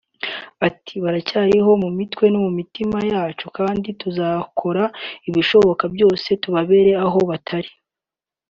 Ati “ Baracyariho mu mitwe no mu mitima yacu kandi tuzakora ibishoboka byose tubabere aho batari